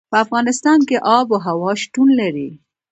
په افغانستان کې آب وهوا شتون لري.